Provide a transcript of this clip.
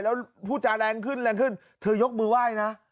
แล้วพูดจาแรงขึ้นแรงขึ้นเธอยกมือไหว้นะ